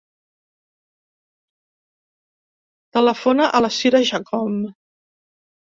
Telefona a la Sira Jacome.